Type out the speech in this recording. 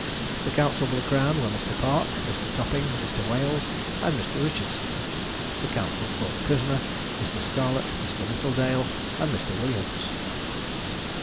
The counsel for the crown were, Mr. Park, Mr. Topping, Mr. Wailes, and Mr. Richardson. The counsel for the prisoner Mr. Scarlett, Mr. Littledale, and Mr. Williams.